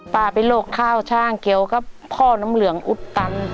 เป็นโรคข้าวช่างเกี่ยวกับพ่อน้ำเหลืองอุดตัน